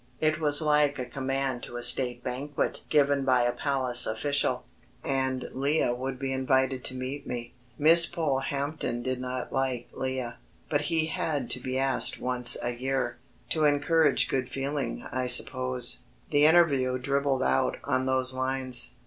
It was like a command to a state banquet given by a palace official, and Lea would be invited to meet me. Miss Polehampton did not like Lea, but he had to be asked once a year to encourage good feeling, I suppose. The interview dribbled out on those lines.